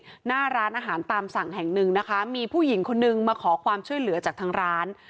หน้าร้านอาหารตามสั่งแห่งหนึ่งนะคะมีผู้หญิงคนนึงมาขอความช่วยเหลือจากทางร้าน